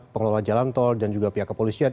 pengelola jalan tol dan juga pihak kepolisian